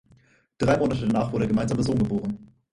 Drei Monate danach wurde der gemeinsame Sohn geboren.